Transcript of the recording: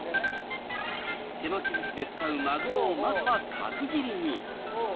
手巻きずしで使うマグロをまずは角切りに。